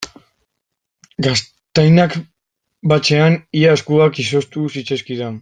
Gaztainak batzean ia eskuak izoztu zitzaizkidan.